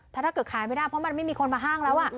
ถ้าเกิดขายไม่ได้เพราะมันไม่มีคนมาห้างแล้ว